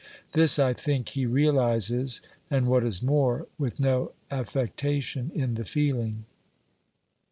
This, I think, he realises, and, what is more, with no affectation in the feel ing.